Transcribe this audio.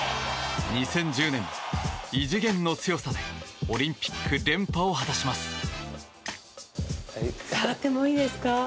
２０１０年、異次元の強さでオリンピック連覇を果たします。